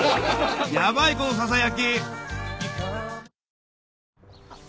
ヤバいこのささ焼。